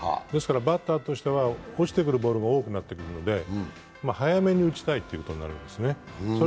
バッターとしては落ちてくるボールが多くなってくるんで早めに打ちたいってことになるんですね。